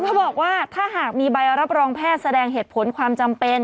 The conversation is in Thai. เขาบอกว่าถ้าหากมีใบรับรองแพทย์แสดงเหตุผลความจำเป็น